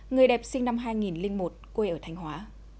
người đẹp sinh năm hai nghìn một quê ở thanh hóa